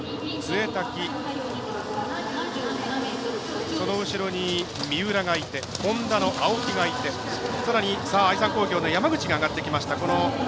潰滝、その後ろに三浦がいてホンダの青木がいてさらに、愛三工業の山口が上がってきました。